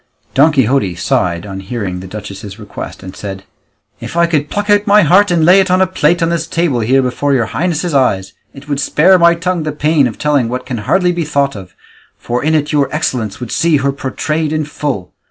Don Quixote sighed on hearing the duchess's request, and said, "If I could pluck out my heart, and lay it on a plate on this table here before your highness's eyes, it would spare my tongue the pain of telling what can hardly be thought of, for in it your excellence would see her portrayed in full.